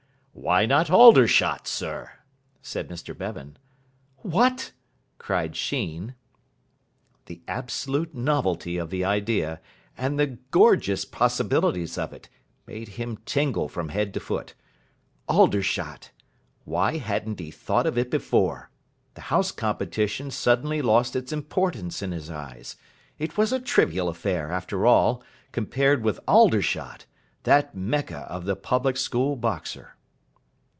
"Why not Aldershot, sir? said Mr Bevan. "What!" cried Sheen. The absolute novelty of the idea, and the gorgeous possibilities of it, made him tingle from head to foot. Aldershot! Why hadn't he thought of it before! The House Competition suddenly lost its importance in his eyes. It was a trivial affair, after all, compared with Aldershot, that Mecca of the public school boxer.